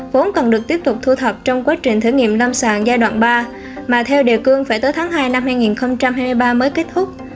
vốn cần được tiếp tục thu thập trong quá trình thử nghiệm lâm sàng giai đoạn ba mà theo đề cương phải tới tháng hai năm hai nghìn hai mươi ba mới kết thúc